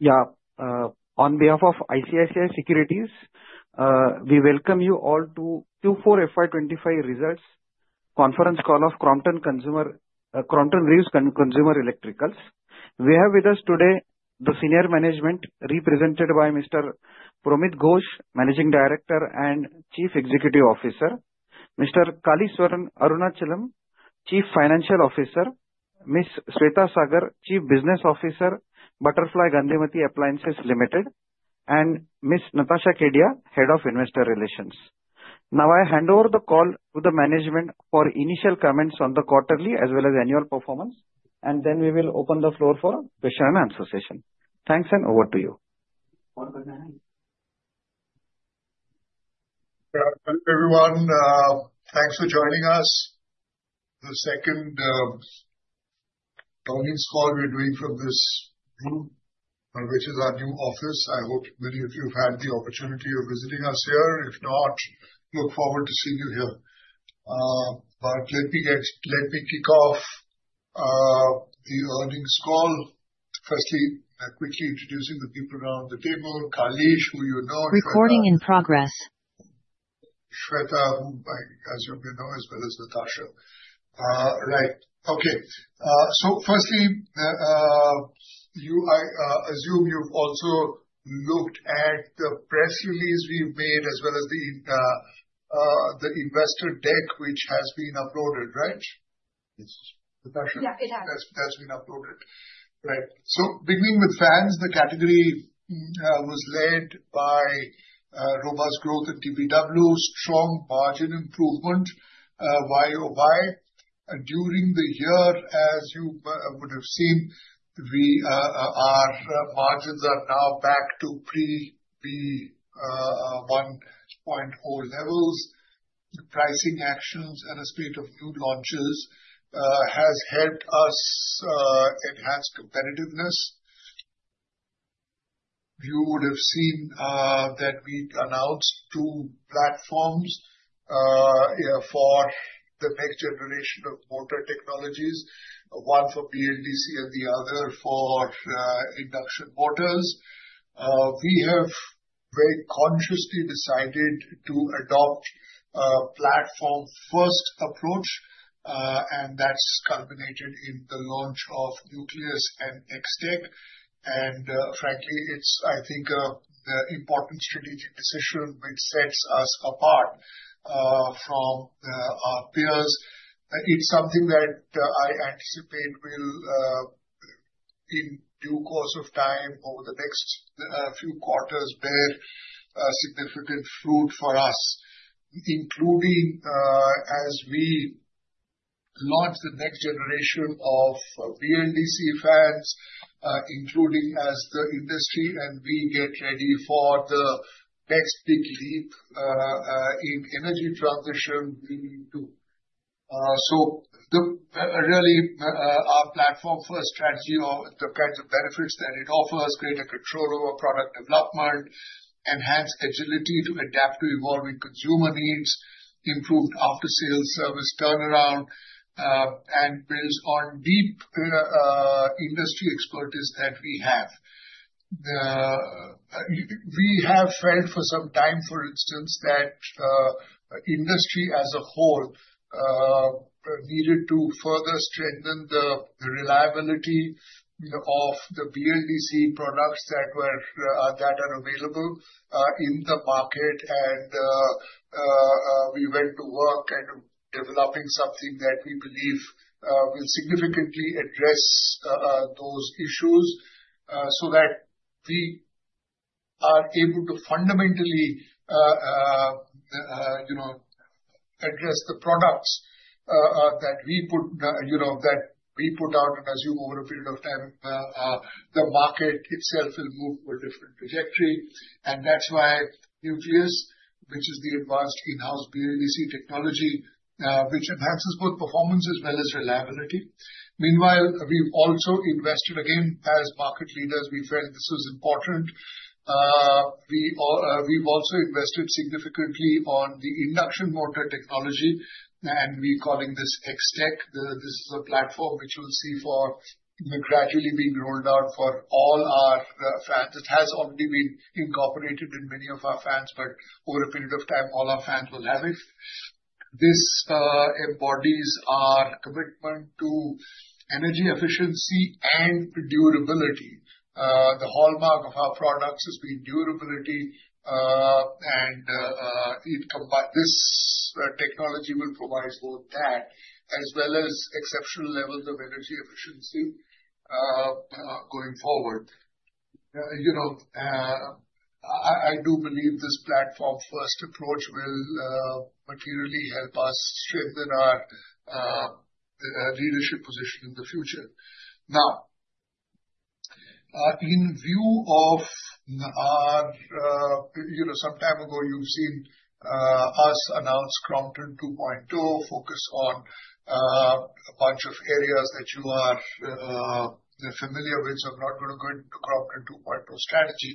Hello. Yeah. On behalf of ICICI Securities, we welcome you all to Q4 FY 2025 results conference call of Crompton Greaves Consumer Electricals. We have with us today the Senior Management, represented by Mr. Promeet Ghosh, Managing Director and Chief Executive Officer; Mr. Kaleeswaran Arunachalam, Chief Financial Officer; Ms. Swetha Sagar, Chief Business Officer, Butterfly Gandhimathi Appliances Limited; and Ms. Natasha Kedia, Head of Investor Relations. Now, I hand over the call to the Management for initial comments on the quarterly as well as annual performance, and then we will open the floor for a question and answer session. Thanks, and over to you. Hello, everyone. Thanks for joining us. The second call we are doing from this room, which is our new office. I hope many of you have had the opportunity of visiting us here. If not, look forward to seeing you here. Let me kick off the earnings call. Firstly, quickly introducing the people around the table: Kaleeswaran, who you know. Recording in progress. Shweta, as you may know, as well as Natasha. Right. Okay. Firstly, I assume you've also looked at the press release we've made as well as the investor deck, which has been uploaded, right? Yes. Natasha? Yeah, it has. That's been uploaded. Right. Beginning with fans, the category was led by robust growth at TPW, strong margin improvement, YoY. During the year, as you would have seen, our margins are now back to pre-BEE 1.0 levels. Pricing actions and the spate of new launches have helped us enhance competitiveness. You would have seen that we announced two platforms for the next generation of motor technologies: one for BLDC and the other for induction motors. We have very consciously decided to adopt a Platform-First approach, and that has culminated in the launch of Nucleus and X-Tech. Frankly, it's, I think, an important strategic decision which sets us apart from our peers. It's something that I anticipate will, in due course of time, over the next few quarters, bear significant fruit for us, including as we launch the next generation of BLDC fans, including as the industry and we get ready for the next big leap in energy transition. Really, our Platform-First strategy or the kinds of benefits that it offers: greater control over product development, enhanced agility to adapt to evolving consumer needs, improved after-sales service turnaround, and builds on deep industry expertise that we have. We have felt for some time, for instance, that industry as a whole needed to further strengthen the reliability of the BLDC products that are available in the market. We went to work at developing something that we believe will significantly address those issues so that we are able to fundamentally address the products that we put out and assume over a period of time the market itself will move a different trajectory. That is why Nucleus, which is the advanced in-house BLDC technology, enhances both performance as well as reliability. Meanwhile, we have also invested, again, as market leaders, we felt this was important. We have also invested significantly on the induction motor technology, and we are calling this X-Tech. This is a platform which you will see gradually being rolled out for all our fans. It has already been incorporated in many of our fans, but over a period of time, all our fans will have it. This embodies our commitment to energy efficiency and durability. The hallmark of our products has been durability, and this technology will provide both that as well as exceptional levels of energy efficiency going forward. I do believe this Platform-First approach will materially help us strengthen our leadership position in the future. Now, in view of our some time ago, you've seen us announce Crompton 2.0, focus on a bunch of areas that you are familiar with. I am not going to go into Crompton 2.0 strategy.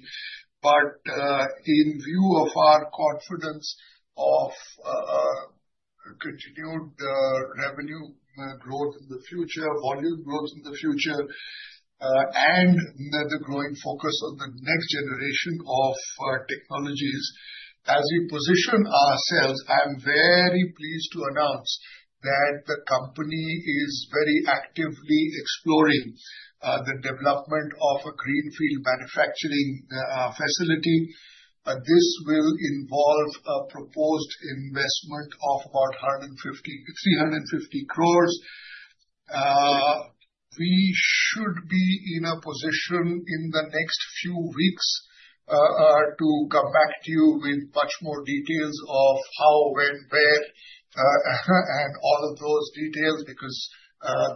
In view of our confidence of continued revenue growth in the future, volume growth in the future, and the growing focus on the next generation of technologies, as we position ourselves, I am very pleased to announce that the company is very actively exploring the development of a greenfield manufacturing facility. This will involve a proposed investment of about Rs 350 crores. We should be in a position in the next few weeks to come back to you with much more details of how, when, where, and all of those details because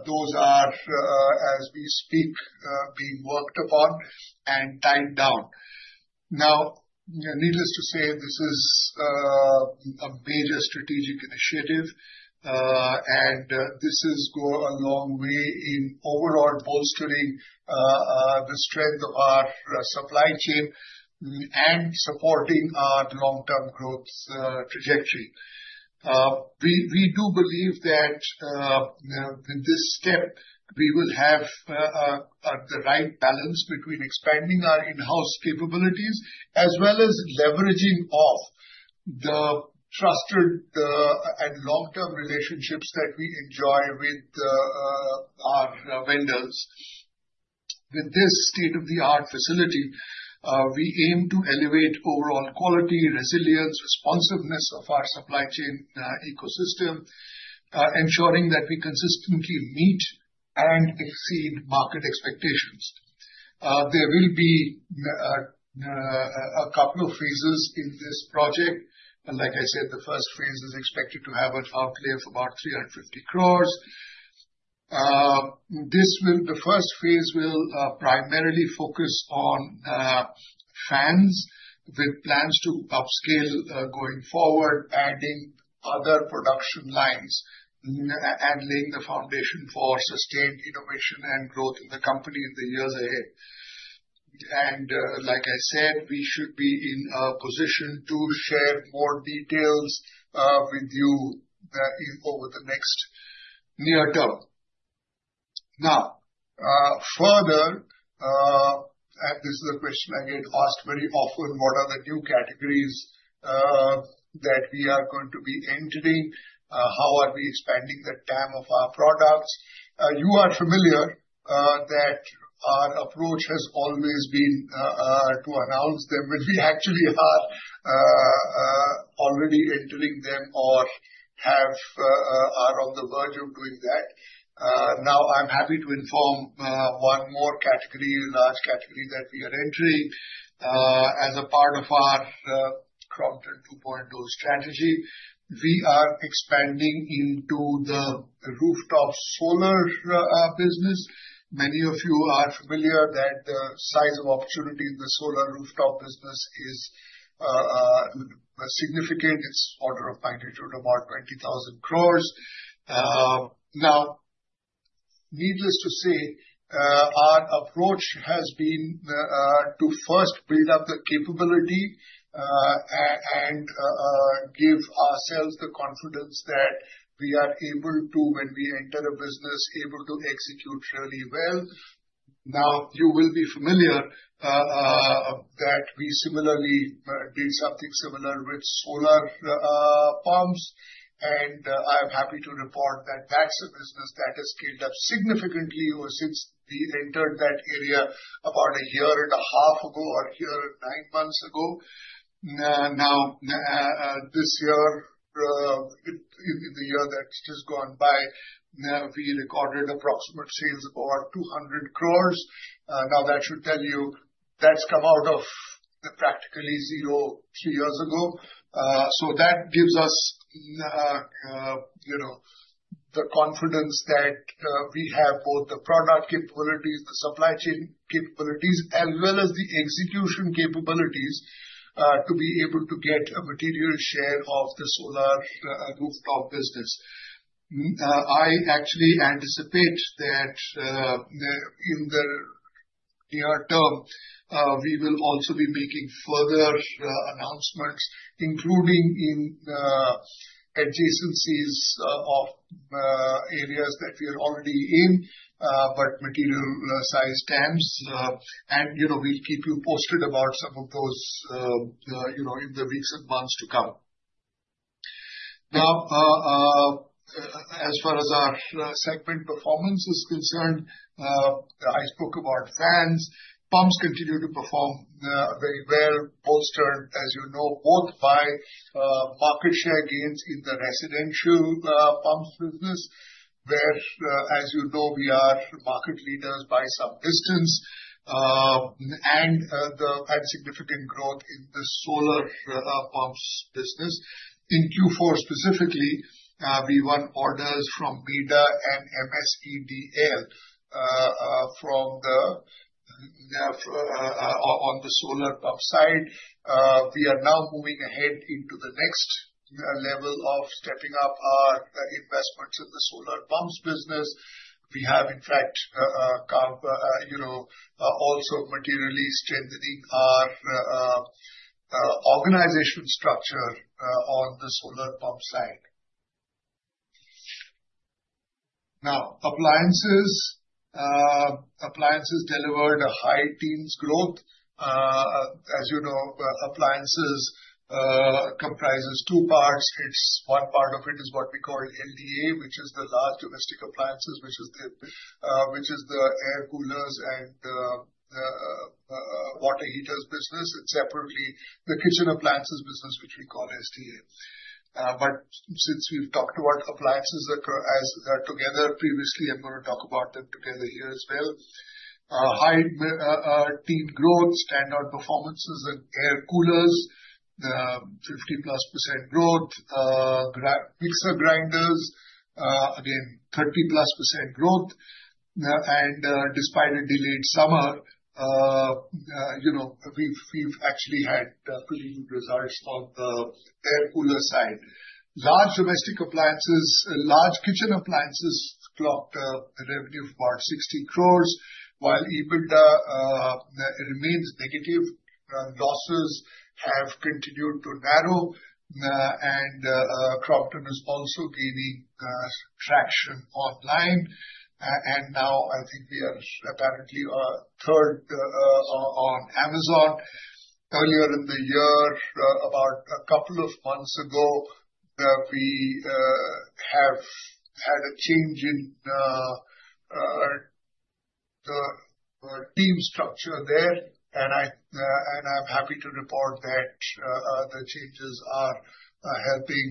those are, as we speak, being worked upon and tied down. Needless to say, this is a major strategic initiative, and this will go a long way in overall bolstering the strength of our supply chain and supporting our long-term growth trajectory. We do believe that with this step, we will have the right balance between expanding our in-house capabilities as well as leveraging off the trusted and long-term relationships that we enjoy with our vendors. With this state-of-the-art facility, we aim to elevate overall quality, resilience, and responsiveness of our supply chain ecosystem, ensuring that we consistently meet and exceed market expectations. There will be a couple of phases in this project. Like I said, the first phase is expected to have a outlay of about 350 crores. The first phase will primarily focus on fans with plans to upscale going forward, adding other production lines and laying the foundation for sustained innovation and growth in the company in the years ahead. Like I said, we should be in a position to share more details with you over the next near-term. Now, further, this is a question I get asked very often. What are the new categories that we are going to be entering? How are we expanding the TAM of our products? You are familiar that our approach has always been to announce them when we actually are already entering them or are on the verge of doing that. Now, I'm happy to inform one more category, a large category that we are entering as a part of our Crompton 2.0 strategy. We are expanding into the rooftop solar business. Many of you are familiar that the size of opportunity in the solar rooftop business is significant. It's order of magnitude about 20,000 crores. Now, needless to say, our approach has been to first build up the capability and give ourselves the confidence that we are able to, when we enter a business, be able to execute really well. Now, you will be familiar that we similarly did something similar with solar pumps, and I'm happy to report that that's a business that has scaled up significantly since we entered that area about a year and a half ago or a year and nine months ago. Now, this year, in the year that's just gone by, we recorded approximate sales of about 200 crores. Now, that should tell you that's come out of practically zero three years ago. That gives us the confidence that we have both the product capabilities, the supply chain capabilities, as well as the execution capabilities to be able to get a material share of the solar rooftop business. I actually anticipate that in the near term, we will also be making further announcements, including in adjacencies of areas that we are already in, but material-sized TAMs. We will keep you posted about some of those in the weeks and months to come. Now, as far as our segment performance is concerned, I spoke about fans. Pumps continue to perform very well, bolstered, as you know, both by market share gains in the residential pumps business, where, as you know, we are market leaders by some distance, and significant growth in the solar pumps business. In Q4 specifically, we won orders from MEDA and MSEDL on the solar pump side. We are now moving ahead into the next level of stepping up our investments in the solar pumps business. We have, in fact, also materially strengthened our organization structure on the solar pump side. Now, appliances delivered a high-teens growth. As you know, appliances comprises two parts. One part of it is what we call LDA, which is the Large Domestic Appliances, which is the air coolers and water heaters business, and separately, the kitchen appliances business, which we call SDA. Since we've talked about appliances together previously, I'm going to talk about them together here as well. High-teens growth, stand-on performances in air coolers, 50%+ growth, mixer grinders, again, 30%+ growth. Despite a delayed summer, we've actually had pretty good results on the air cooler side. Large domestic appliances, large kitchen appliances clocked a revenue of about 60 crores, while EBITDA remains negative. Losses have continued to narrow, and Crompton is also gaining traction online. I think we are apparently third on Amazon. Earlier in the year, about a couple of months ago, we have had a change in the team structure there, and I'm happy to report that the changes are helping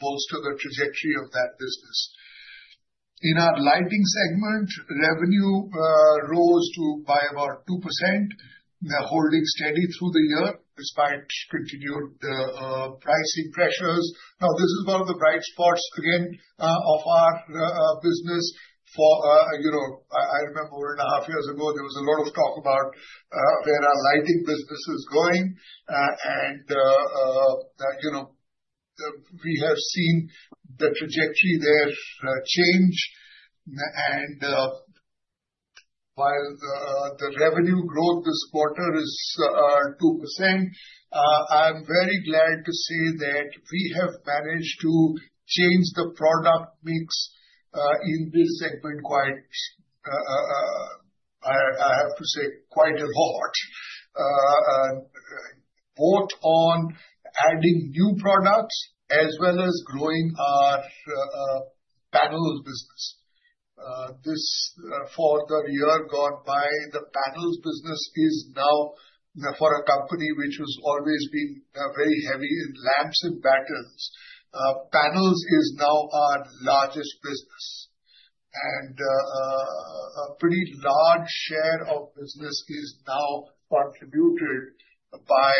bolster the trajectory of that business. In our Lighting segment, revenue rose by about 2%, holding steady through the year despite continued pricing pressures. Now, this is one of the bright spots, again, of our business. I remember over a half year ago, there was a lot of talk about where our lighting business is going, and we have seen the trajectory there change. While the revenue growth this quarter is 2%, I'm very glad to say that we have managed to change the product mix in this segment, I have to say, quite a lot, both on adding new products as well as growing our panels business. For the year gone by, the panels business is now, for a company which has always been very heavy in lamps and battens, panels is now our largest business. A pretty large share of business is now contributed by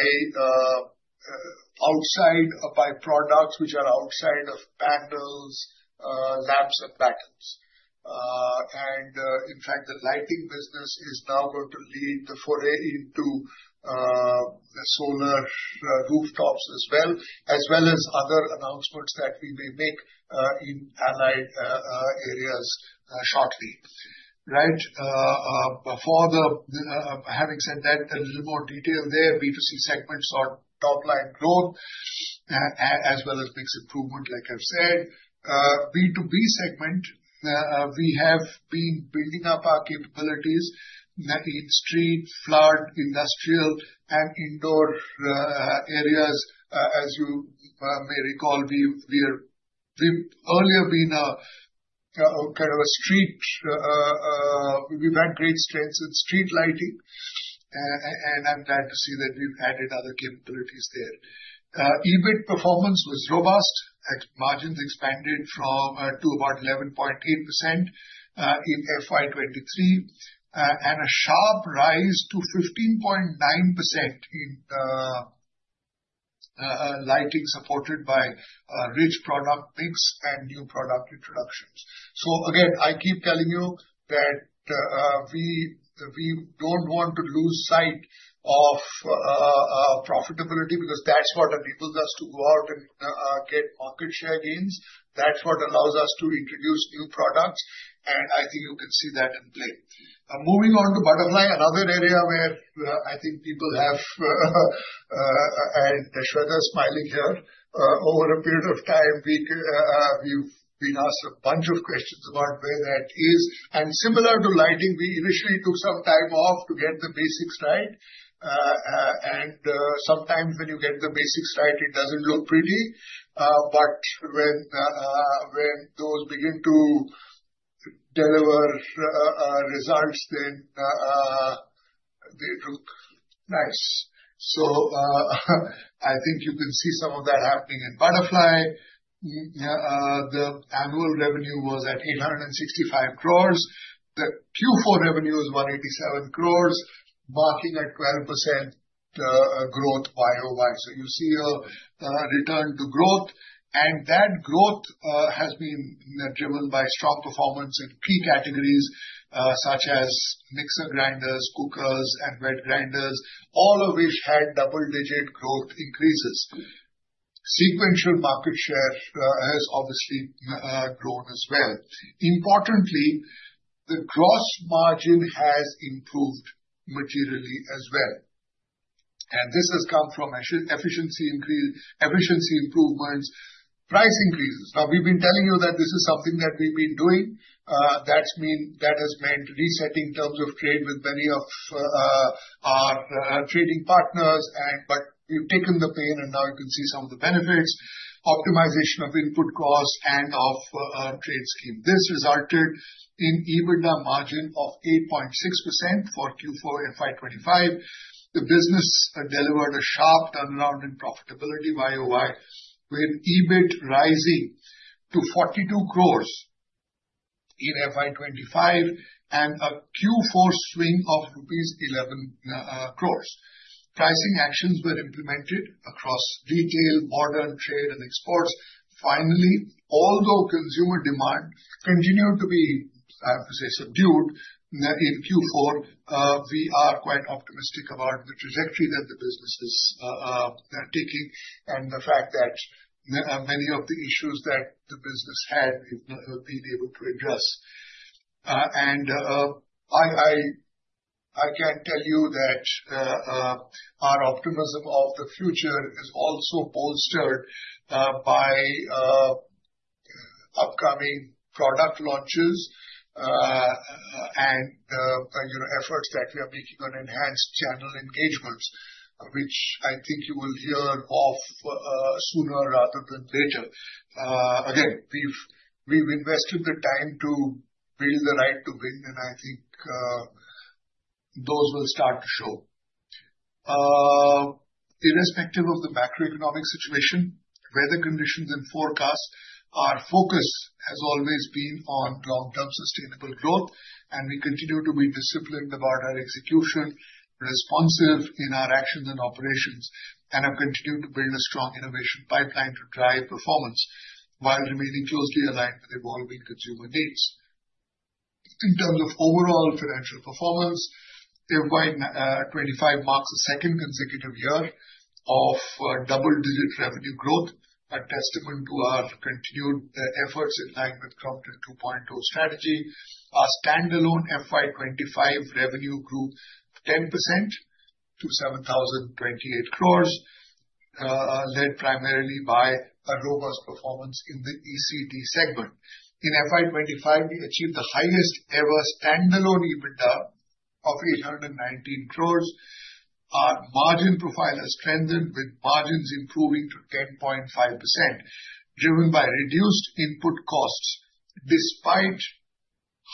products which are outside of panels, lamps, and battens. In fact, the lighting business is now going to lead the foray into solar rooftops as well, as well as other announcements that we may make in allied areas shortly. Right? Having said that, a little more detail there, B2C segment saw top-line growth as well as mix improvement, like I have said. B2B segment, we have been building up our capabilities in street, flood, industrial, and indoor areas. As you may recall, we have earlier been kind of a street, we have had great strengths in street lighting, and I am glad to see that we have added other capabilities there. EBIT performance was robust. Margins expanded to about 11.8% in FY 2023 and a sharp rise to 15.9% in lighting supported by rich product mix and new product introductions. Again, I keep telling you that we do not want to lose sight of profitability because that is what enables us to go out and get market share gains. That is what allows us to introduce new products, and I think you can see that in play. Moving on to Butterfly, another area where I think people have, and I am smiling here, over a period of time, we have been asked a bunch of questions about where that is. Similar to lighting, we initially took some time off to get the basics right. Sometimes when you get the basics right, it does not look pretty. When those begin to deliver results, then they look nice. I think you can see some of that happening in Butterfly. The annual revenue was at 865 crores. The Q4 revenue is 187 crores, marking a 12% growth YoY. You see a return to growth, and that growth has been driven by strong performance in key categories such as mixer grinders, cookers, and wet grinders, all of which had double-digit growth increases. Sequential market share has obviously grown as well. Importantly, the gross margin has improved materially as well. This has come from efficiency improvements, price increases. Now, we've been telling you that this is something that we've been doing. That has meant resetting terms of trade with many of our trading partners, but we've taken the pain, and now you can see some of the benefits, optimization of input costs and of trade scheme. This resulted in EBITDA margin of 8.6% for Q4 FY 2025. The business delivered a sharp turnaround in profitability YoY, with EBIT rising to 42 crores in FY 2025 and a Q4 swing of rupees 11 crores. Pricing actions were implemented across retail, modern trade, and exports. Finally, although consumer demand continued to be, I have to say, subdued in Q4, we are quite optimistic about the trajectory that the business is taking and the fact that many of the issues that the business had been able to address. I can tell you that our optimism of the future is also bolstered by upcoming product launches and efforts that we are making on enhanced channel engagements, which I think you will hear of sooner rather than later. We have invested the time to build the right to win, and I think those will start to show. Irrespective of the macroeconomic situation, weather conditions, and forecasts, our focus has always been on long-term sustainable growth, and we continue to be disciplined about our execution, responsive in our actions and operations, and have continued to build a strong innovation pipeline to drive performance while remaining closely aligned with evolving consumer needs. In terms of overall financial performance, we have FY 2025 marks a second consecutive year of double-digit revenue growth, a testament to our continued efforts in line with Crompton 2.0 strategy. Our stand-alone FY 2025 revenue grew 10% to 7,028 crores, led primarily by a robust performance in the ECD segment. In FY 2025, we achieved the highest-ever stand-alone EBITDA of 819 crores. Our margin profile has strengthened, with margins improving to 10.5%, driven by reduced input costs despite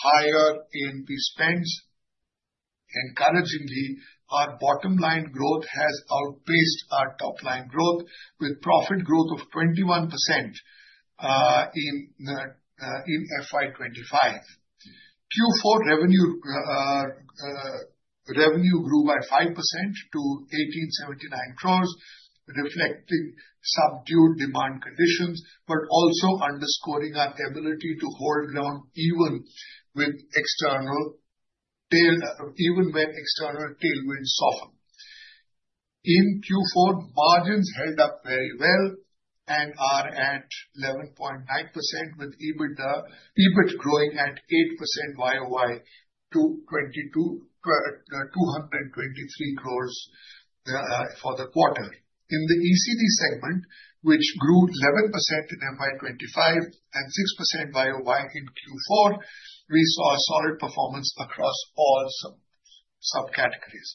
higher A&P spends. Encouragingly, our bottom-line growth has outpaced our top-line growth, with profit growth of 21% in FY 2025. Q4 revenue grew by 5% to 1,879 crores, reflecting subdued demand conditions, but also underscoring our ability to hold ground even when external tailwinds soften. In Q4, margins held up very well and are at 11.9%, with EBIT growing at 8% YoY to 223 crores for the quarter. In the ECD segment, which grew 11% in FY 2025 and 6% YoY in Q4, we saw solid performance across all subcategories.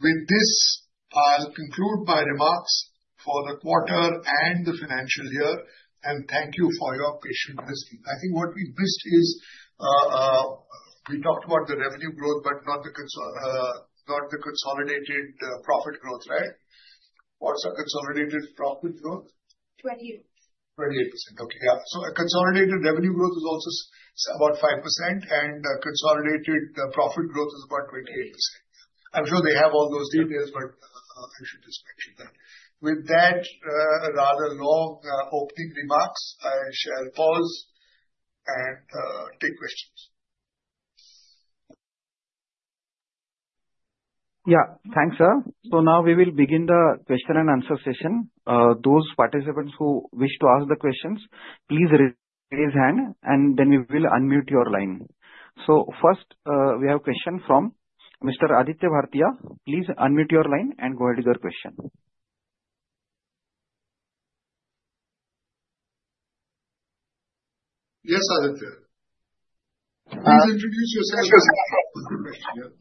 With this, I'll conclude my remarks for the quarter and the financial year, and thank you for your patience listening. I think what we missed is we talked about the revenue growth, but not the consolidated profit growth, right? What's a consolidated profit growth? 28%. 28%. Okay. Yeah. So consolidated revenue growth is also about 5%, and consolidated profit growth is about 28%. I'm sure they have all those details, but I should just mention that. With that rather long opening remarks, I shall pause and take questions. Yeah. Thanks, sir. Now we will begin the question-and-answer session. Those participants who wish to ask questions, please raise hand, and then we will unmute your line. First, we have a question from Mr. Aditya Bhartia. Please unmute your line and go ahead with your question. Yes, Aditya. Please introduce yourself.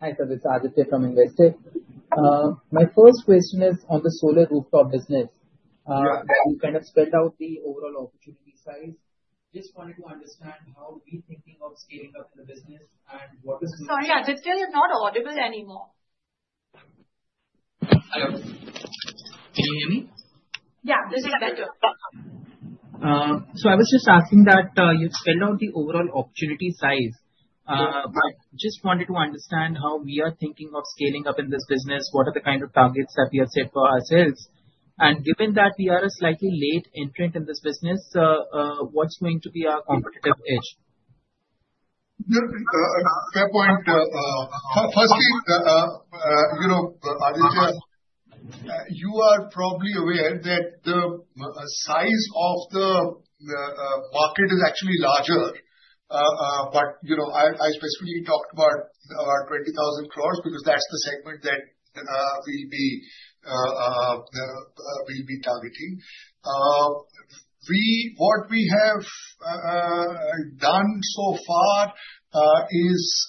Hi, sir. It's Aditya from Investec. My first question is on the solar rooftop business. We kind of spread out the overall opportunity size. Just wanted to understand how we're thinking of scaling up the business and what is— Sorry, Aditya, you're not audible anymore. Hi, Aditya. Can you hear me? Yeah, this is better. I was just asking that you've spelled out the overall opportunity size. I just wanted to understand how we are thinking of scaling up in this business, what are the kind of targets that we have set for ourselves. Given that we are a slightly late entrant in this business, what's going to be our competitive edge? Firstly, Aditya, you are probably aware that the size of the market is actually larger, but I specifically talked about 20,000 crores because that's the segment that we'll be targeting. What we have done so far is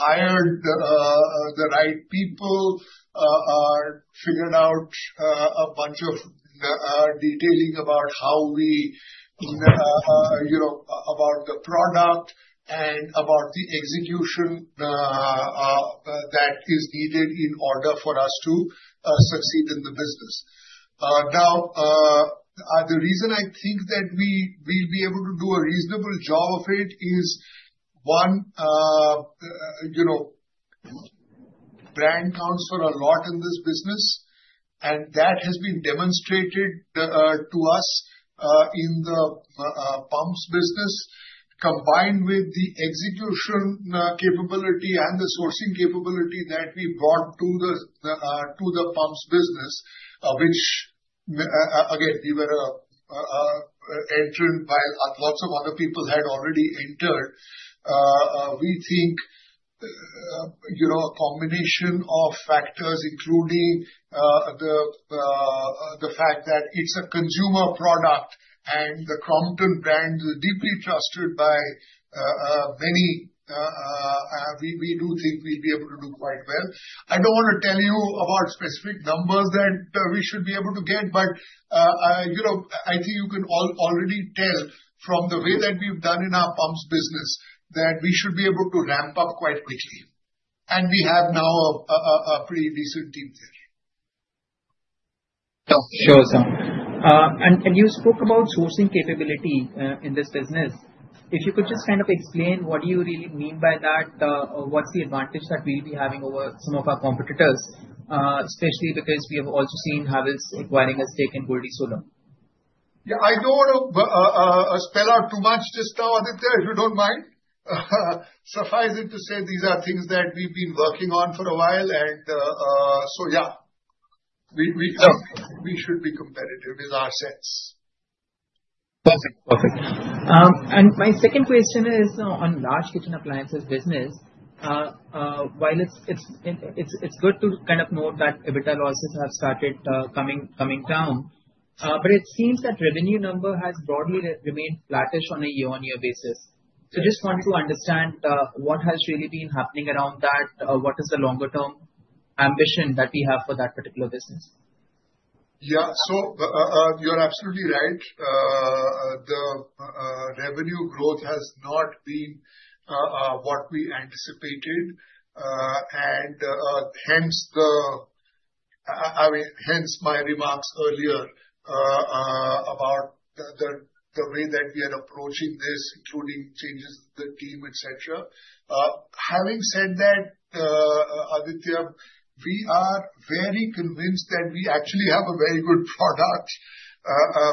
hired the right people, figured out a bunch of detailing about how we—about the product and about the execution that is needed in order for us to succeed in the business. Now, the reason I think that we'll be able to do a reasonable job of it is, one, brand comes from a lot in this business, and that has been demonstrated to us in the pumps business, combined with the execution capability and the sourcing capability that we brought to the pumps business, which, again, we were an entrant while lots of other people had already entered. We think a combination of factors, including the fact that it's a consumer product and the Crompton brand is deeply trusted by many, we do think we'll be able to do quite well. I don't want to tell you about specific numbers that we should be able to get, but I think you can already tell from the way that we've done in our pumps business that we should be able to ramp up quite quickly. We have now a pretty decent team there. Sure. You spoke about sourcing capability in this business. If you could just kind of explain what do you really mean by that, what's the advantage that we'll be having over some of our competitors, especially because we have also seen Havells acquiring a stake in Goldi Solar? Yeah. I don't want to spell out too much just now, Aditya, if you don't mind. Suffice it to say these are things that we've been working on for a while, and so yeah, we should be competitive in our sense. Perfect. Perfect. My second question is on Large Kitchen Appliances business. While it's good to kind of note that EBITDA losses have started coming down, it seems that revenue number has broadly remained flattish on a year-on-year basis. Just wanted to understand what has really been happening around that, what is the longer-term ambition that we have for that particular business? Yeah. You're absolutely right. The revenue growth has not been what we anticipated, and hence my remarks earlier about the way that we are approaching this, including changes in the team, etc. Having said that, Aditya, we are very convinced that we actually have a very good product.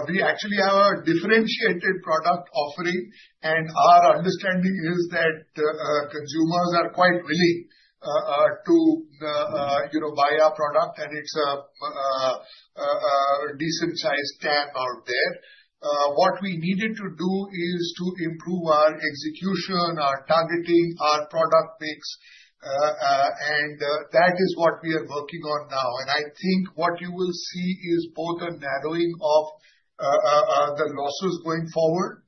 We actually have a differentiated product offering, and our understanding is that consumers are quite willing to buy our product, and it's a decent-sized TAM out there. What we needed to do is to improve our execution, our targeting, our product mix, and that is what we are working on now. I think what you will see is both a narrowing of the losses going forward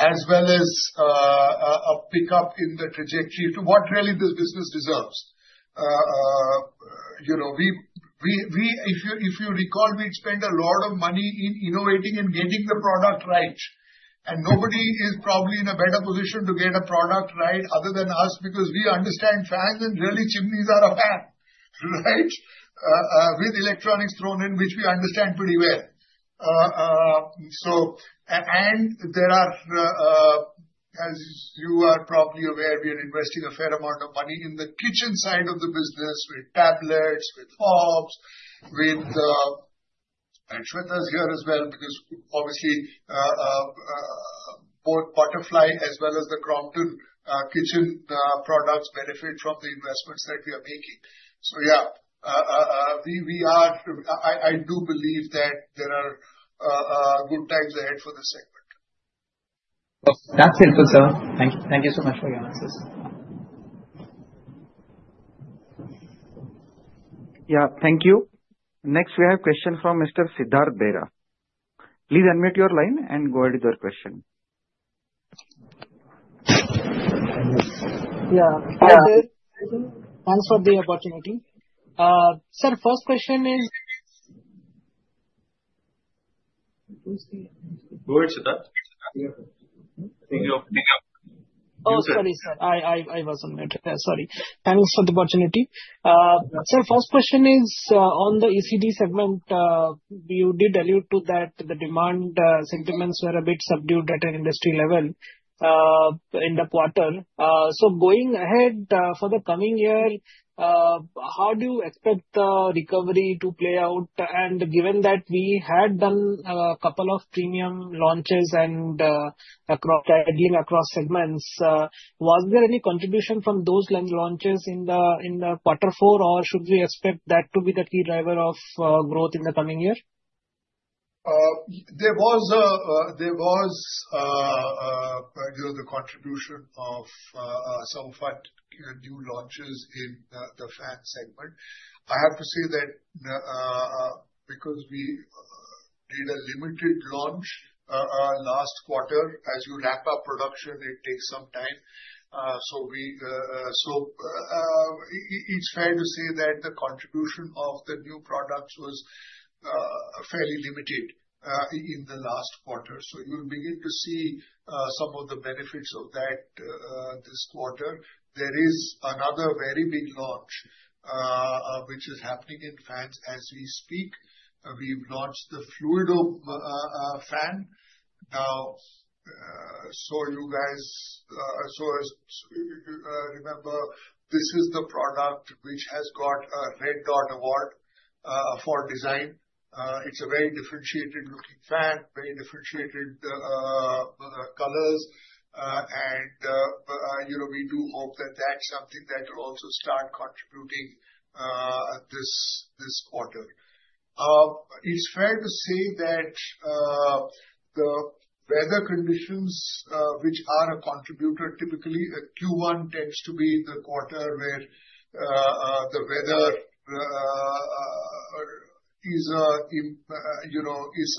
as well as a pickup in the trajectory to what really this business deserves. If you recall, we had spent a lot of money in innovating and getting the product right, and nobody is probably in a better position to get a product right other than us because we understand fans and really chimneys are a fan, right, with electronics thrown in, which we understand pretty well. As you are probably aware, we are investing a fair amount of money in the kitchen side of the business with tablets, with hobs, with—and Shweta is here as well because obviously both Butterfly as well as the Crompton kitchen products benefit from the investments that we are making. I do believe that there are good times ahead for this segment. That's helpful, sir. Thank you so much for your answers. Yeah. Thank you. Next, we have a question from Mr. Siddharth Bera. Please unmute your line and go ahead with your question. Yeah. Thanks for the opportunity. Sir, first question is. Go ahead, Siddharth. Oh, sorry, sir. I was on mute. Sorry. Thanks for the opportunity. Sir, first question is on the ECD segment, you did allude to that the demand sentiments were a bit subdued at an industry level in the quarter. For the coming year, how do you expect the recovery to play out? Given that we had done a couple of premium launches and tackling across segments, was there any contribution from those launches in quarter four, or should we expect that to be the key driver of growth in the coming year? There was the contribution of some fun new launches in the fan segment. I have to say that because we did a limited launch last quarter, as you ramp up production, it takes some time. It is fair to say that the contribution of the new products was fairly limited in the last quarter. You will begin to see some of the benefits of that this quarter. There is another very big launch which is happening in fans as we speak. We have launched the Fluido Fan. Now, as you guys remember, this is the product which has got a Red Dot Award for design. It is a very differentiated-looking fan, very differentiated colors, and we do hope that that is something that will also start contributing this quarter. It's fair to say that the weather conditions, which are a contributor, typically Q1 tends to be the quarter where the weather is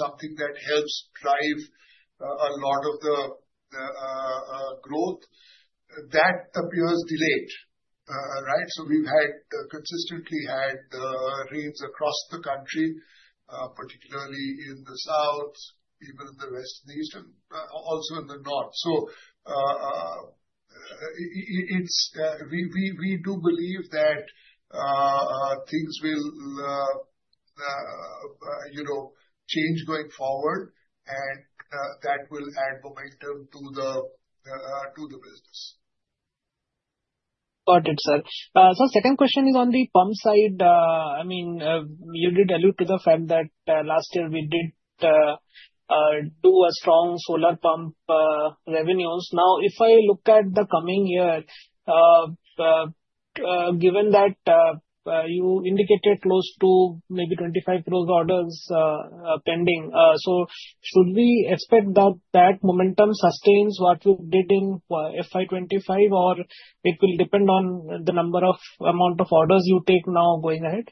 something that helps drive a lot of the growth. That appears delayed, right? We have consistently had rains across the country, particularly in the South, even in the West, and East, and also in the North. We do believe that things will change going forward, and that will add momentum to the business. Got it, sir. Second question is on the pump side. I mean, you did allude to the fact that last year we did do a strong solar pump revenues. Now, if I look at the coming year, given that you indicated close to maybe 25 crores orders pending, should we expect that momentum sustains what you did in FY 2025, or it will depend on the number of orders you take now going ahead?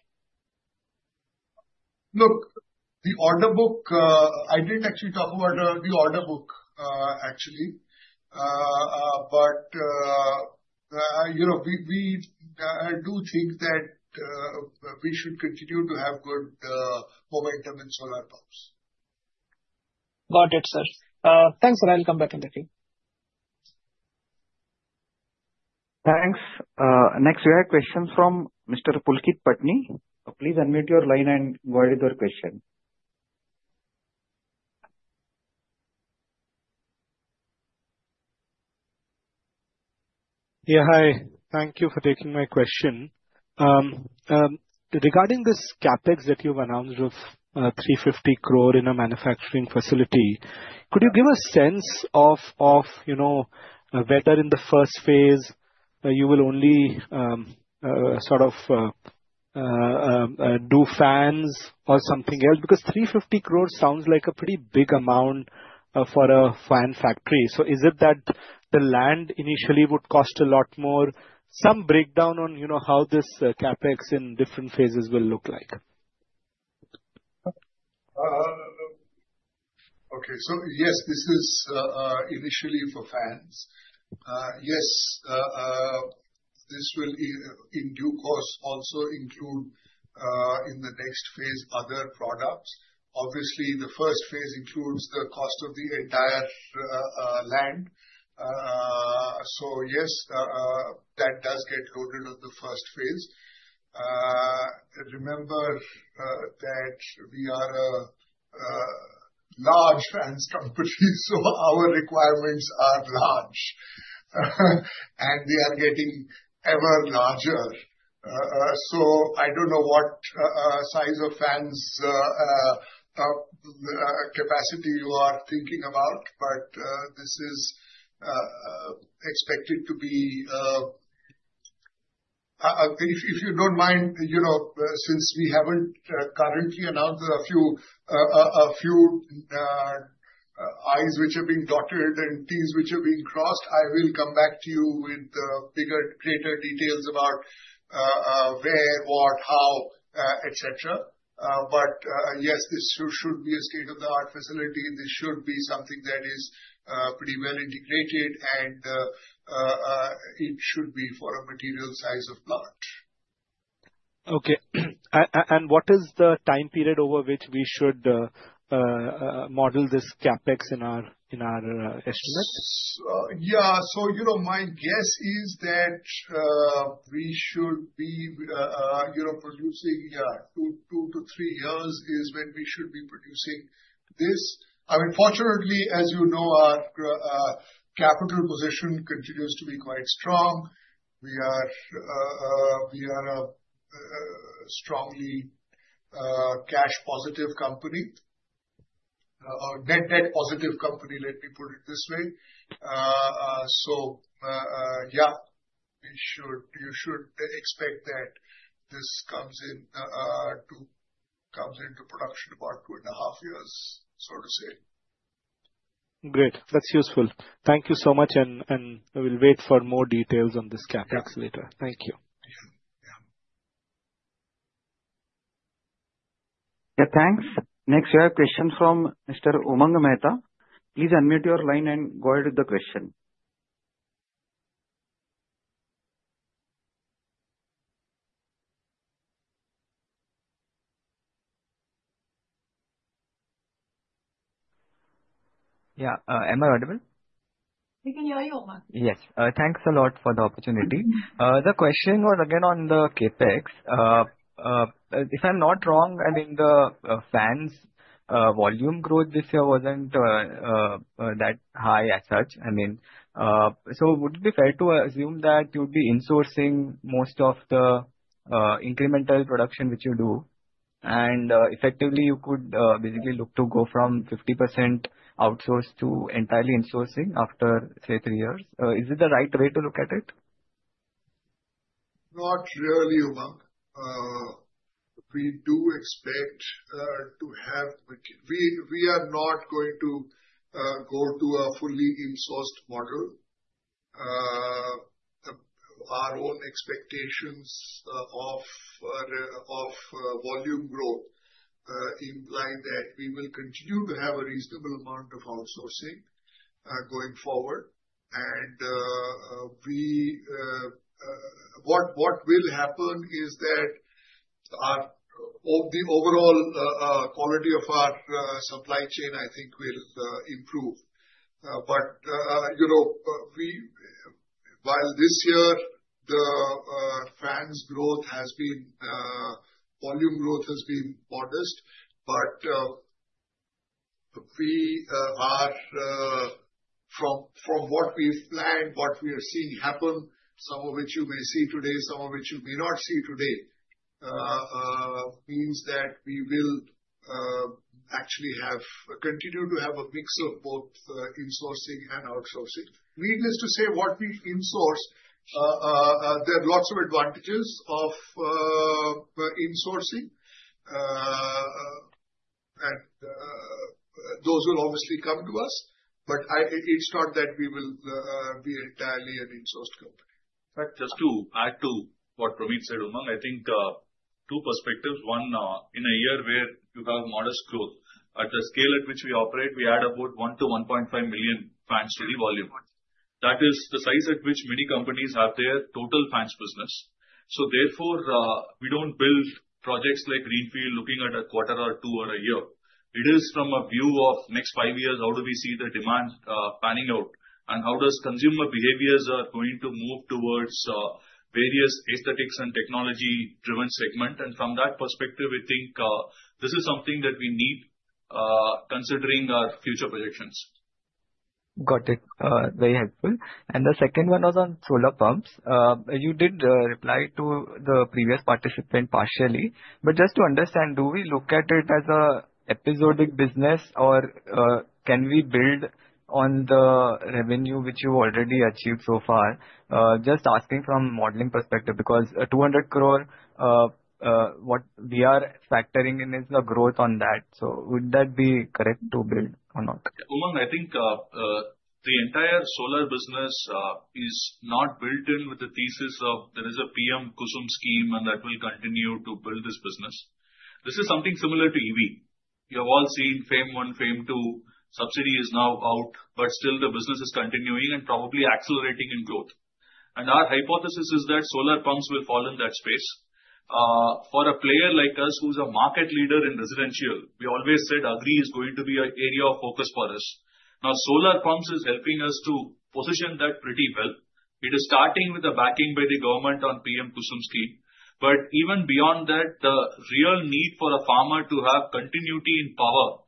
Look, the order book—I did not actually talk about the order book, actually. We do think that we should continue to have good momentum in solar pumps. Got it, sir. Thanks, sir. I'll come back in the queue. Thanks. Next, we have questions from Mr. Pulkit Patni. Please unmute your line and go ahead with your question. Yeah. Hi. Thank you for taking my question. Regarding this CapEx that you have announced of 350 crore in a manufacturing facility, could you give a sense of whether in the first phase you will only sort of do fans or something else? Because 350 crore sounds like a pretty big amount for a fan factory. Is it that the land initially would cost a lot more? Some breakdown on how this CapEx in different phases will look like. Okay. Yes, this is initially for fans. Yes, this will in due course also include in the next phase other products. Obviously, the first phase includes the cost of the entire land. Yes, that does get loaded on the first phase. Remember that we are a large fans company, so our requirements are large, and they are getting ever larger. I don't know what size of fans capacity you are thinking about, but this is expected to be—if you don't mind, since we haven't currently announced a few I's which are being dotted and T's which are being crossed, I will come back to you with greater details about where, what, how, etc. Yes, this should be a state-of-the-art facility. This should be something that is pretty well integrated, and it should be for a material size of plot. Okay. What is the time period over which we should model this CapEx in our estimate? Yeah. My guess is that we should be producing two to three years is when we should be producing this. I mean, fortunately, as you know, our capital position continues to be quite strong. We are a strongly cash-positive company or net-positive company, let me put it this way. Yeah, you should expect that this comes into production in about two and a half years, so to say. Great. That's useful. Thank you so much, and we'll wait for more details on this CapEx later. Thank you. Yeah. Yeah. Thanks. Next, we have a question from Mr. Umang Mehta. Please unmute your line and go ahead with the question. Yeah. Am I audible? We can hear you, Umang. Yes. Thanks a lot for the opportunity. The question was again on the CapEx. If I'm not wrong, I mean, the fans' volume growth this year wasn't that high as such. I mean, so would it be fair to assume that you'd be in-sourcing most of the incremental production which you do, and effectively, you could basically look to go from 50% outsourced to entirely in-sourcing after, say, three years? Is it the right way to look at it? Not really, Umang. We do expect to have—we are not going to go to a fully insourced model. Our own expectations of volume growth imply that we will continue to have a reasonable amount of outsourcing going forward. What will happen is that the overall quality of our supply chain, I think, will improve. While this year, the fans' growth has been—volume growth has been modest, from what we have planned, what we are seeing happen, some of which you may see today, some of which you may not see today, means that we will actually continue to have a mix of both in-sourcing and outsourcing. Needless to say, what we in-source, there are lots of advantages of in-sourcing, and those will obviously come to us. It is not that we will be entirely an insourced company. That is true. Add to what Promeet said, Umang. I think two perspectives. One, in a year where you have modest growth, at the scale at which we operate, we add about 1 million-1.5 million fans to the volume. That is the size at which many companies have their total fans business. Therefore, we do not build projects like greenfield looking at a quarter or two or a year. It is from a view of the next five years, how do we see the demand panning out, and how are consumer behaviors going to move towards various aesthetics and technology-driven segments. From that perspective, I think this is something that we need considering our future projections. Got it. Very helpful. The second one was on solar pumps. You did reply to the previous participant partially. Just to understand, do we look at it as an episodic business, or can we build on the revenue which you already achieved so far? Just asking from a modeling perspective because 200 crore, what we are factoring in is the growth on that. Would that be correct to build or not? Umang, I think the entire solar business is not built in with the thesis of there is a PM KUSUM scheme, and that will continue to build this business. This is something similar to EV. You have all seen FAME-I, FAME-II. Subsidy is now out, but still the business is continuing and probably accelerating in growth. Our hypothesis is that solar pumps will fall in that space. For a player like us who's a market leader in residential, we always said Agri is going to be an area of focus for us. Now, solar pumps is helping us to position that pretty well. It is starting with a backing by the government on PM Kusum scheme. Even beyond that, the real need for a farmer to have continuity in power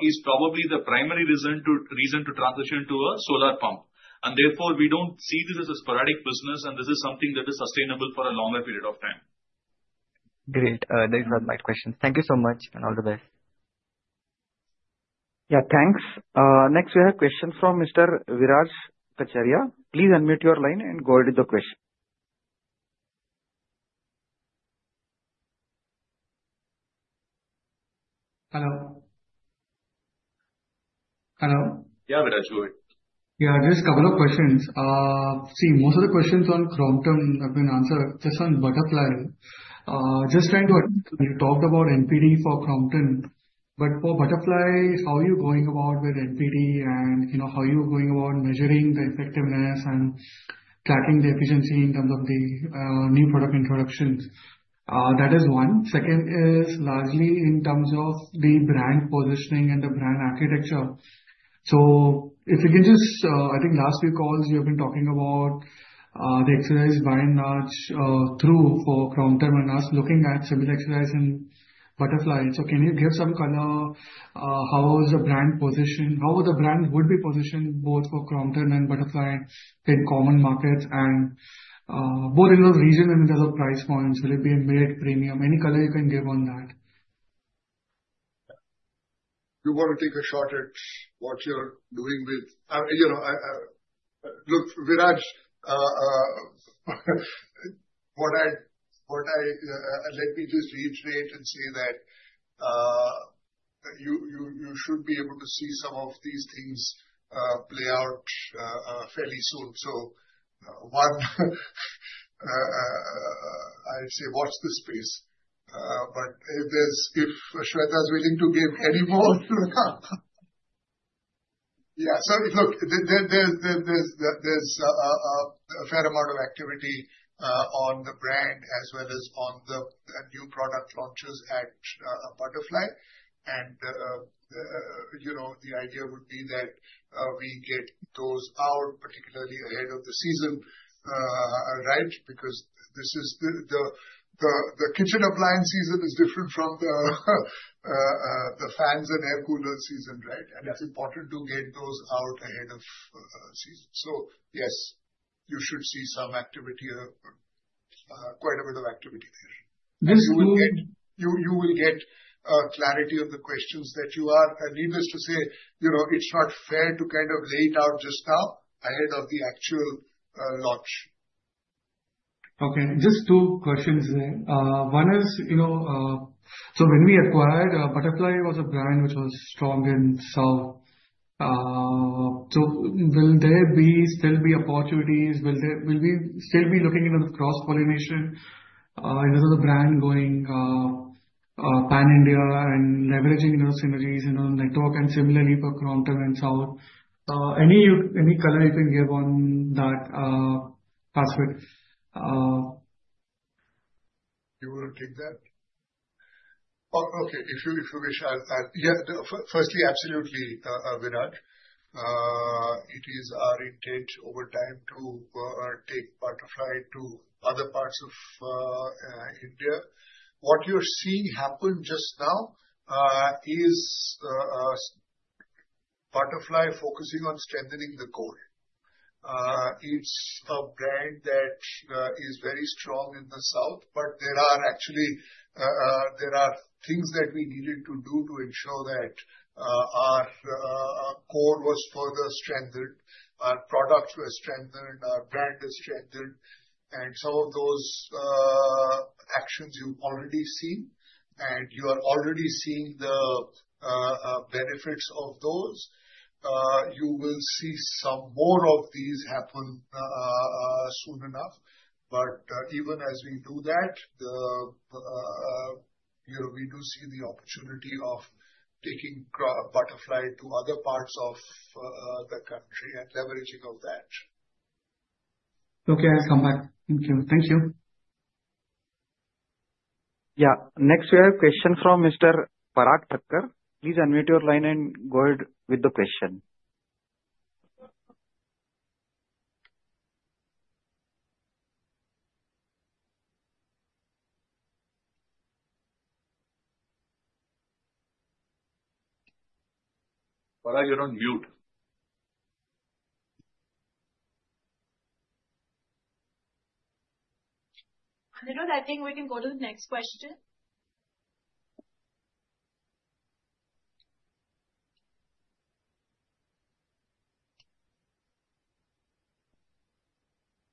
is probably the primary reason to transition to a solar pump. Therefore, we do not see this as a sporadic business, and this is something that is sustainable for a longer period of time. Great. These are my questions. Thank you so much, and all the best. Yeah. Thanks. Next, we have a question from Mr. Viraj Kacharia. Please unmute your line and go ahead with the question. Hello. Hello. Yeah, Viraj, go ahead. Yeah, just a couple of questions. See, most of the questions on Crompton have been answered, just on Butterfly. Just trying to—you talked about NPD for Crompton, but for Butterfly, how are you going about with NPD, and how are you going about measuring the effectiveness and tracking the efficiency in terms of the new product introductions? That is one. Second is largely in terms of the brand positioning and the brand architecture. If you can just—I think last few calls, you have been talking about the exercise by and large through for Crompton and us looking at similar exercise in Butterfly. Can you give some color? How is the brand positioned? How would the brand be positioned both for Crompton and Butterfly in common markets and both in those regions and in those price points? Will it be a mid-premium? Any color you can give on that? You want to take a shot at what you're doing with—look, Viraj, what I—let me just reiterate and say that you should be able to see some of these things play out fairly soon. One, I'd say watch the space. If Shweta is willing to give any more—yeah. Look, there's a fair amount of activity on the brand as well as on the new product launches at Butterfly. The idea would be that we get those out, particularly ahead of the season, right? Because the kitchen appliance season is different from the fans and air cooler season, right? It's important to get those out ahead of season. Yes, you should see some activity, quite a bit of activity there. You will get clarity on the questions that you are. Needless to say, it's not fair to kind of lay it out just now ahead of the actual launch. Okay. Just two questions there. One is, so when we acquired Butterfly, it was a brand which was strong in the South. So will there still be opportunities? Will we still be looking into the cross-pollination, instead of the brand going pan-India and leveraging those synergies in the network and similarly for Crompton and South? Any color you can give on that aspect? You want to take that? Okay. If you wish, I'll—yeah. Firstly, absolutely, Viraj. It is our intent over time to take Butterfly to other parts of India. What you're seeing happen just now is Butterfly focusing on strengthening the core. It's a brand that is very strong in the south, but there are actually things that we needed to do to ensure that our core was further strengthened, our products were strengthened, our brand is strengthened. Some of those actions you've already seen, and you are already seeing the benefits of those. You will see some more of these happen soon enough. Even as we do that, we do see the opportunity of taking Butterfly to other parts of the country and leveraging of that. Okay. I'll come back. Thank you. Thank you. Yeah. Next, we have a question from Mr. Parag Thakkar. Please unmute your line and go ahead with the question. Parag, you're on mute. I think we can go to the next question.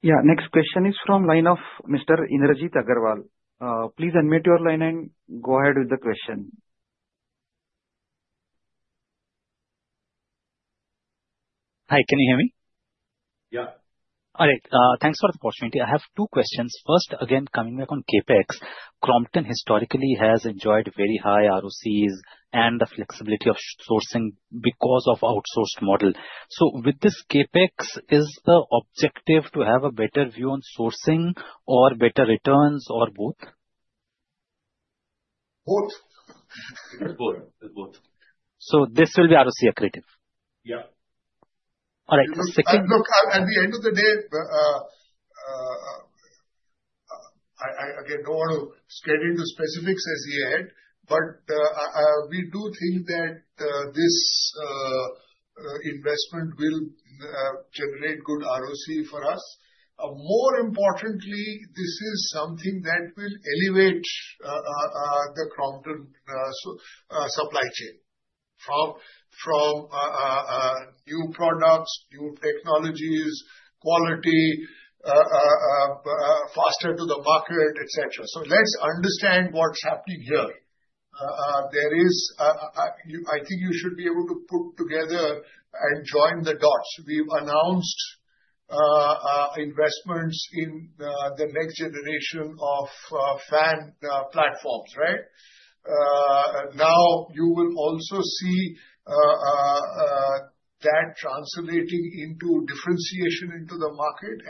Yeah. Next question is from line of Mr. Indrajit Agarwal. Please unmute your line and go ahead with the question. Hi. Can you hear me? Yeah. All right. Thanks for the opportunity. I have two questions. First, again, coming back on CapEx, Crompton historically has enjoyed very high ROCEs and the flexibility of sourcing because of the outsourced model. So with this CapEx, is the objective to have a better view on sourcing or better returns or both? Both. Both. So this will be ROCE accretive. Yeah. All right. Second. Look, at the end of the day, again, do not want to get into specifics as you head, but we do think that this investment will generate good ROC for us. More importantly, this is something that will elevate the Crompton supply chain from new products, new technologies, quality, faster to the market, etc. Let's understand what's happening here. I think you should be able to put together and join the dots. We've announced investments in the next generation of fan platforms, right? Now, you will also see that translating into differentiation into the market.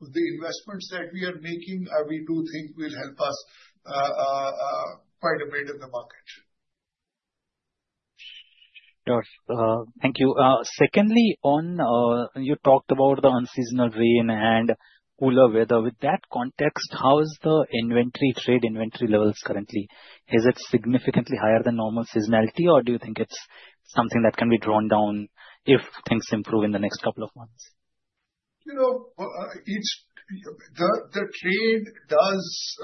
The investments that we are making, we do think will help us quite a bit in the market. Thank you. Secondly, you talked about the unseasonal rain and cooler weather. With that context, how is the inventory trade, inventory levels currently? Is it significantly higher than normal seasonality, or do you think it's something that can be drawn down if things improve in the next couple of months? The trade does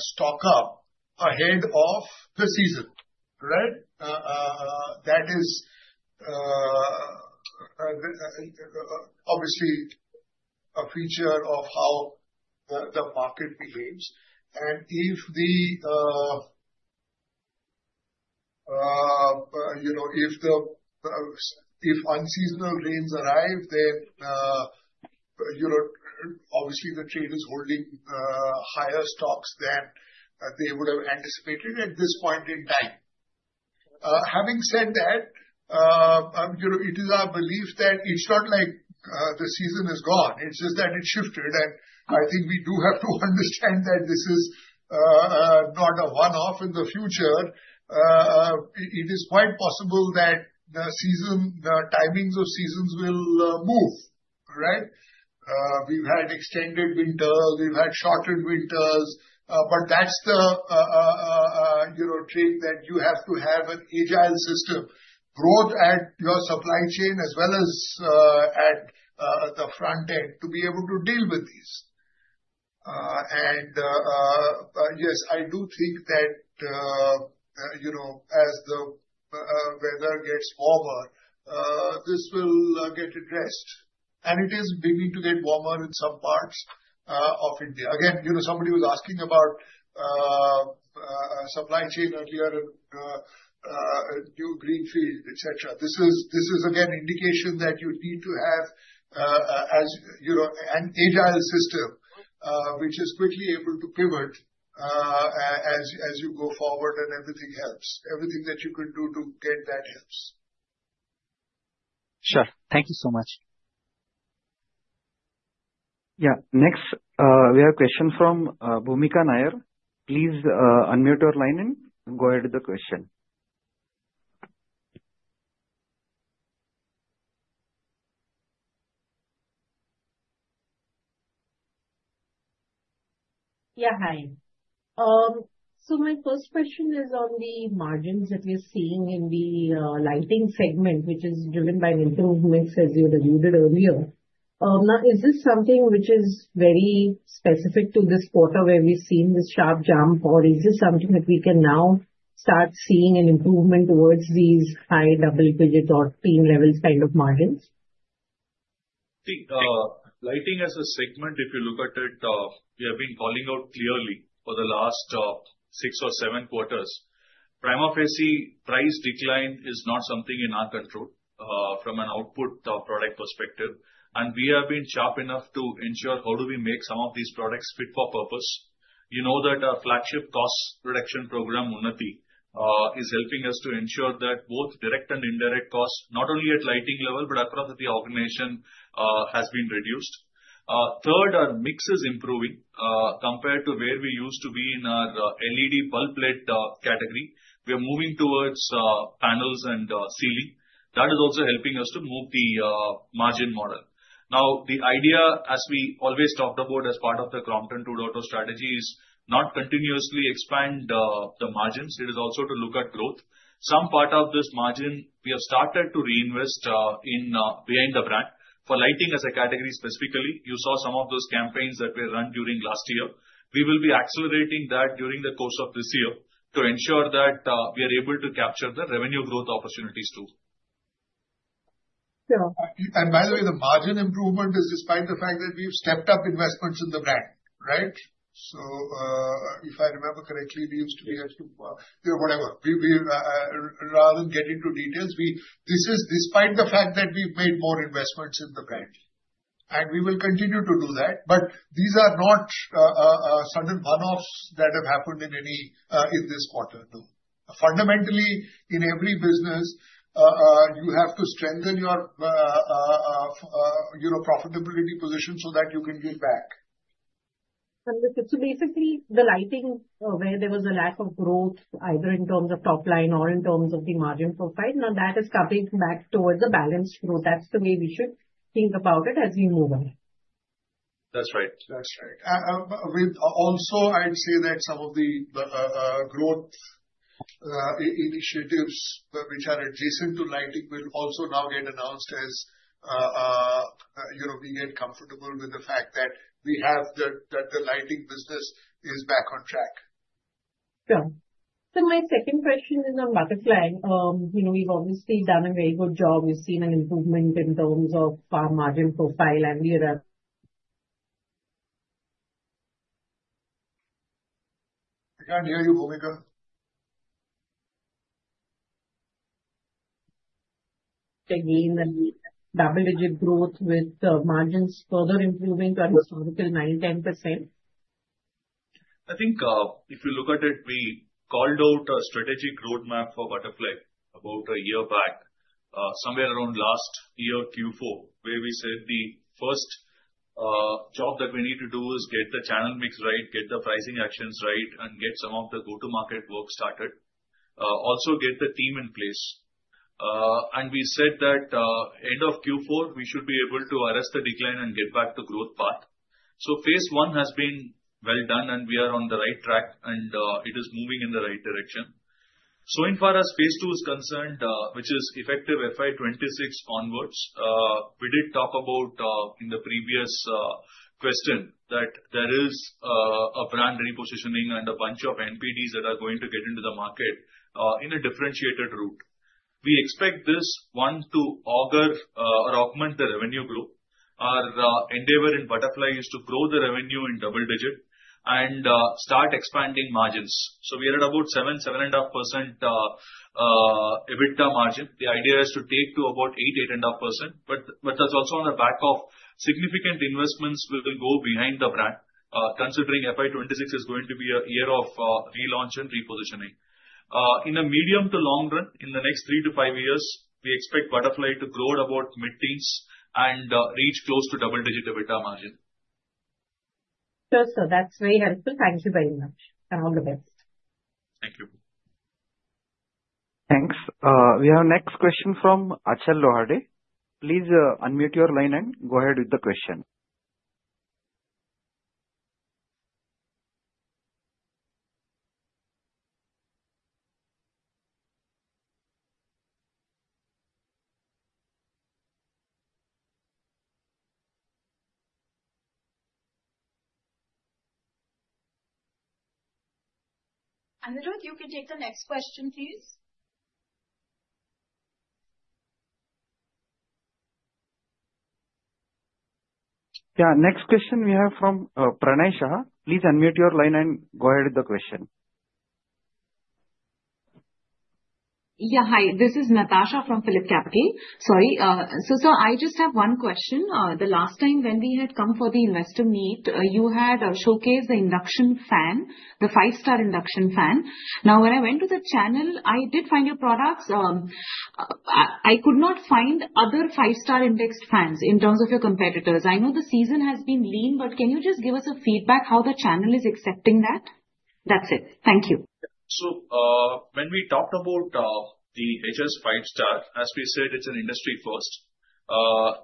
stock up ahead of the season, right? That is obviously a feature of how the market behaves. If unseasonal rains arrive, then obviously the trade is holding higher stocks than they would have anticipated at this point in time. Having said that, it is our belief that it's not like the season is gone. It's just that it shifted. I think we do have to understand that this is not a one-off in the future. It is quite possible that the timings of seasons will move, right? We've had extended winters. We've had shorter winters. That's the trick that you have to have an agile system, both at your supply chain as well as at the front end to be able to deal with these. Yes, I do think that as the weather gets warmer, this will get addressed. It is beginning to get warmer in some parts of India. Again, somebody was asking about supply chain earlier and new greenfield, etc. This is, again, an indication that you need to have an agile system which is quickly able to pivot as you go forward and everything helps. Everything that you can do to get that helps. Sure. Thank you so much. Yeah. Next, we have a question from Bhoomika Nair. Please unmute your line and go ahead with the question. Yeah. Hi. So my first question is on the margins that we're seeing in the Lighting segment, which is driven by improvements as you alluded earlier. Now, is this something which is very specific to this quarter where we've seen this sharp jump, or is this something that we can now start seeing an improvement towards these high double-digit or teen-levels kind of margins? I think Lighting as a segment, if you look at it, we have been calling out clearly for the last six or seven quarters. Prima facie price decline is not something in our control from an output product perspective. And we have been sharp enough to ensure how do we make some of these products fit-for-purpose. You know that our flagship cost reduction program, Unnati, is helping us to ensure that both direct and indirect costs, not only at lighting level but across the organization, have been reduced. Third, our mix is improving compared to where we used to be in our LED bulb-led category. We are moving towards panels and ceiling. That is also helping us to move the margin model. Now, the idea, as we always talked about as part of the Crompton 2.0 strategy, is not to continuously expand the margins. It is also to look at growth. Some part of this margin, we have started to reinvest behind the brand for Lighting as a category specifically. You saw some of those campaigns that were run during last year. We will be accelerating that during the course of this year to ensure that we are able to capture the revenue growth opportunities too. By the way, the margin improvement is despite the fact that we've stepped up investments in the brand, right? If I remember correctly, we used to be at—whatever. Rather than getting into details, this is despite the fact that we've made more investments in the brand. We will continue to do that. These are not sudden one-offs that have happened in this quarter. No. Fundamentally, in every business, you have to strengthen your profitability position so that you can give back. Basically, the lighting where there was a lack of growth, either in terms of top line or in terms of the margin profile, now that is coming back towards the balanced growth. That is the way we should think about it as we move on. That's right. That's right. Also, I'd say that some of the growth initiatives which are adjacent to lighting will also now get announced as we get comfortable with the fact that we have the lighting business is back on track. Yeah. My second question is on Butterfly. We've obviously done a very good job. We've seen an improvement in terms of margin profile and the— I can't hear you, Boomika. Again, the double-digit growth with margins further improving to a historical 9-10%. I think if you look at it, we called out a strategic roadmap for Butterfly about a year back, somewhere around last year, Q4, where we said the first job that we need to do is get the channel mix right, get the pricing actions right, and get some of the go-to-market work started. Also get the team in place. We said that end of Q4, we should be able to arrest the decline and get back to growth path. Phase one has been well done, and we are on the right track, and it is moving in the right direction. In far as phase two is concerned, which is effective FY 2026 onwards, we did talk about in the previous question that there is a brand repositioning and a bunch of NPDs that are going to get into the market in a differentiated route. We expect this one to auger or augment the revenue growth. Our endeavor in Butterfly is to grow the revenue in double-digit and start expanding margins. We are at about 7%-7.5% EBITDA margin. The idea is to take to about 8%-8.5%. That's also on the back of significant investments that will go behind the brand, considering FY 2026 is going to be a year of relaunch and repositioning. In the medium to long run, in the next three to five years, we expect Butterfly to grow at about mid-teens and reach close to double-digit EBITDA margin. Sure. That's very helpful. Thank you very much. All the best. Thank you. Thanks. We have a next question from Acher Lohade. Please unmute your line and go ahead with the question. Aniruddh, you can take the next question, please. Yeah. Next question we have from Natasha. Please unmute your line and go ahead with the question. Yeah. Hi. This is Natasha from PhilipCapital. Sorry. Sir, I just have one question. The last time when we had come for the investor meet, you had showcased the induction fan, the five-star induction fan. Now, when I went to the channel, I did find your products. I could not find other 5-star indexed fans in terms of your competitors. I know the season has been lean, but can you just give us a feedback how the channel is accepting that? That's it. Thank you. When we talked about the HS 5 Star, as we said, it's an industry first.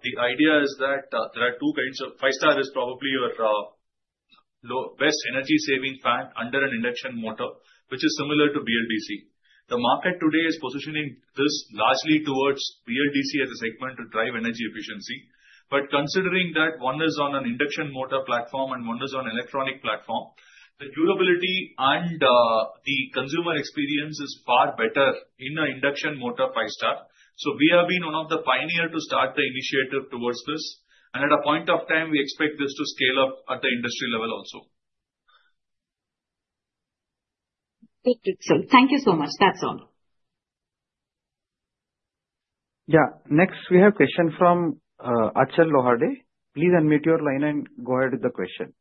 The idea is that there are two kinds of 5-star. It is probably your best energy-saving fan under an induction motor, which is similar to BLDC. The market today is positioning this largely towards BLDC as a segment to drive energy efficiency. Considering that one is on an induction motor platform and one is on an electronic platform, the durability and the consumer experience is far better in an induction motor 5-star. We have been one of the pioneers to start the initiative towards this. At a point of time, we expect this to scale up at the industry level also. Thank you. Thank you so much. That's all. Yeah. Next, we have a question from Ashish. Please unmute your line and go ahead with the question.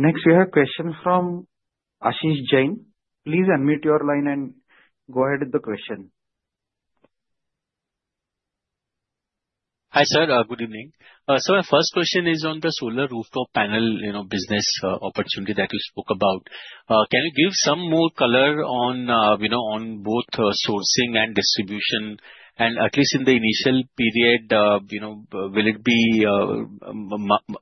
Next, we have a question from Ashish Jain. Please unmute your line and go ahead with the question. Hi sir, good evening. My first question is on the solar rooftop panel business opportunity that you spoke about. Can you give some more color on both sourcing and distribution? At least in the initial period, will it be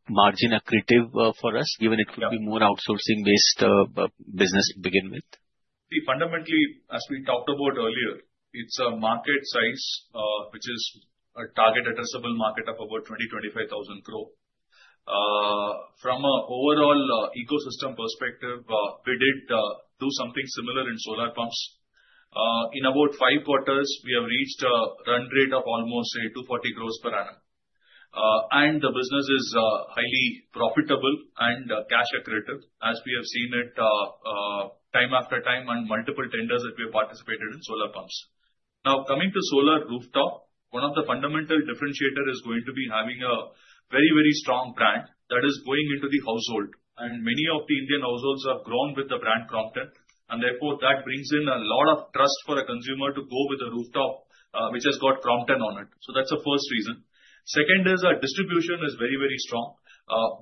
margin accretive for us, given it could be more outsourcing-based business to begin with? Fundamentally, as we talked about earlier, it's a market size which is a target addressable market of about 20,000-25,000 crore. From an overall ecosystem perspective, we did do something similar in solar pumps. In about five quarters, we have reached a run rate of almost 240 crore per annum. The business is highly profitable and cash accretive, as we have seen it time after time on multiple tenders that we have participated in solar pumps. Now, coming to solar rooftop, one of the fundamental differentiators is going to be having a very, very strong brand that is going into the household. Many of the Indian households have grown with the brand Crompton. That brings in a lot of trust for a consumer to go with a rooftop which has got Crompton on it. That's the first reason. Second is distribution is very, very strong,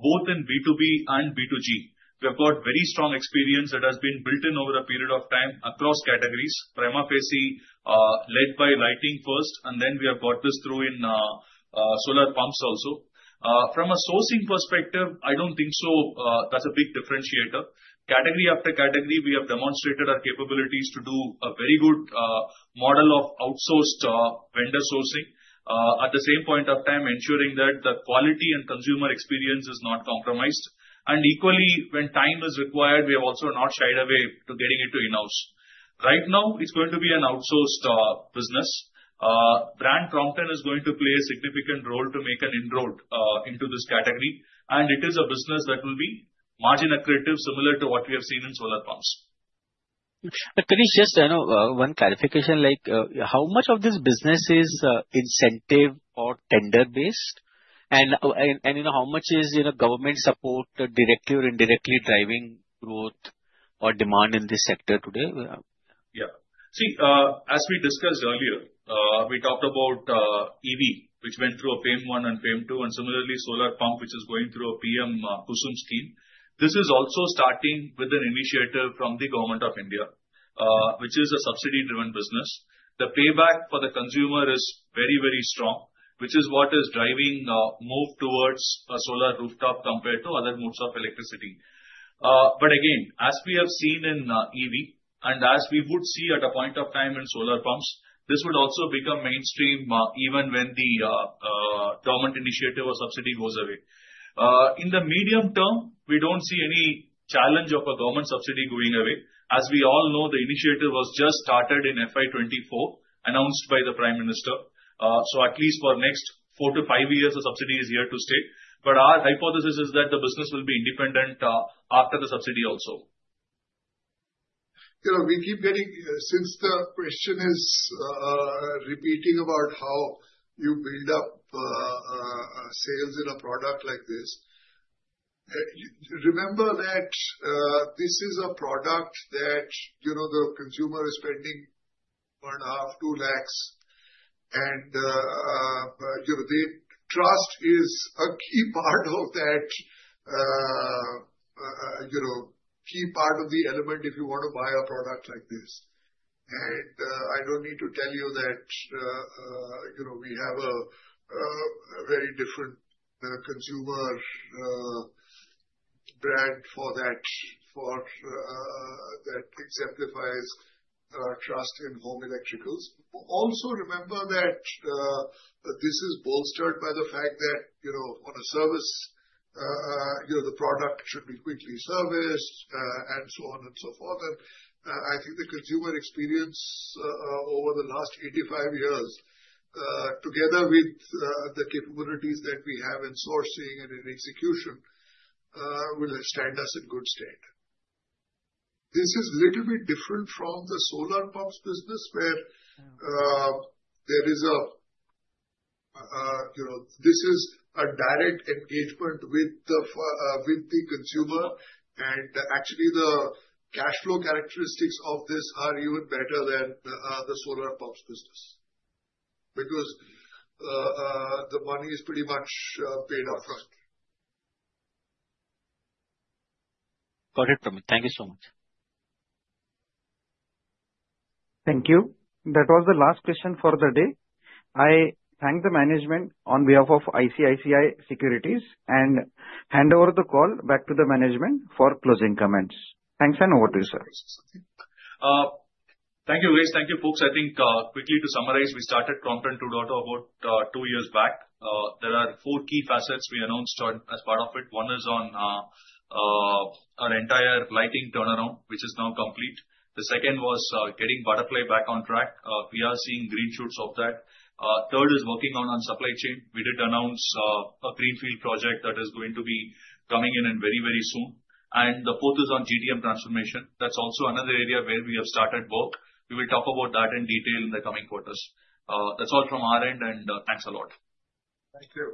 both in B2B and B2G. We have got very strong experience that has been built in over a period of time across categories. Primary AC led by lighting first, and then we have got this through in solar pumps also. From a sourcing perspective, I do not think so that is a big differentiator. Category after category, we have demonstrated our capabilities to do a very good model of outsourced vendor sourcing at the same point of time, ensuring that the quality and consumer experience is not compromised. Equally, when time is required, we have also not shied away from getting it to in-house. Right now, it is going to be an outsourced business. Brand Crompton is going to play a significant role to make an inroad into this category. It is a business that will be margin accretive, similar to what we have seen in solar pumps. Can you just, I know, one clarification, like how much of this business is incentive or tender-based? How much is government support directly or indirectly driving growth or demand in this sector today? Yeah. See, as we discussed earlier, we talked about EV, which went through a FAME-1 and FAME-2, and similarly, solar pump, which is going through a PM KUSUM scheme. This is also starting with an initiative from the Government of India, which is a subsidy-driven business. The payback for the consumer is very, very strong, which is what is driving the move towards a solar rooftop compared to other modes of electricity. As we have seen in EV and as we would see at a point of time in solar pumps, this would also become mainstream even when the government initiative or subsidy goes away. In the medium term, we do not see any challenge of a government subsidy going away. As we all know, the initiative was just started in fiscal year 2024, announced by the Prime Minister. At least for the next four to five years, the subsidy is here to stay. Our hypothesis is that the business will be independent after the subsidy also. We keep getting, since the question is repeating, about how you build up sales in a product like this. Remember that this is a product that the consumer is spending 1.5 lakhs, 2 lakhs. Trust is a key part of that, a key part of the element if you want to buy a product like this. I do not need to tell you that we have a very different consumer brand for that, that exemplifies trust in home electricals. Also, remember that this is bolstered by the fact that on a service, the product should be quickly serviced and so on and so forth. I think the consumer experience over the last 85 years, together with the capabilities that we have in sourcing and in execution, will stand us in good stead. This is a little bit different from the solar pumps business, where this is a direct engagement with the consumer. Actually, the cash flow characteristics of this are even better than the solar pumps business because the money is pretty much paid upfront. Got it, Promeet. Thank you so much. Thank you. That was the last question for the day. I thank the management on behalf of ICICI Securities and hand over the call back to the management for closing comments. Thanks and over to you, sir. Thank you, guys. Thank you, folks. I think quickly to summarize, we started Crompton 2.0 about two years back. There are four key facets we announced as part of it. One is on our entire lighting turnaround, which is now complete. The second was getting Butterfly back on track. We are seeing green shoots of that. Third is working on supply chain. We did announce a greenfield project that is going to be coming in very, very soon. The fourth is on GTM transformation. That is also another area where we have started work. We will talk about that in detail in the coming quarters. That's all from our end, and thanks a lot. Thank you.